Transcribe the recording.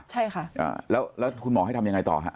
ใช่ค่ะแล้วคุณหมอให้ทำยังไงต่อฮะ